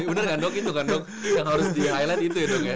ini bener kan dok itu kan dok yang harus di highlight itu ya dong ya